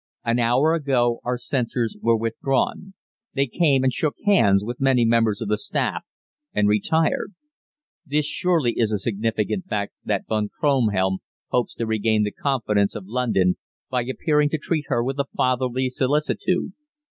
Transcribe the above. An hour ago our censors were withdrawn. They came and shook hands with many members of the staff, and retired. This surely is a significant fact that Von Kronhelm hopes to regain the confidence of London by appearing to treat her with a fatherly solicitude.